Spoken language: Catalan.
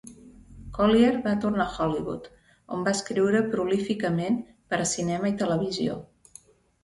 Collier va tornar a Hollywood, on va escriure prolíficament per a cinema i televisió.